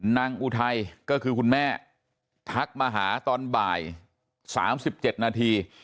อุทัยก็คือคุณแม่ทักมาหาตอนบ่าย๓๗นาที